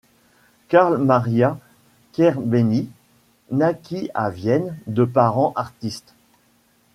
Karl-Maria Kertbeny naquit à Vienne de parents artistes.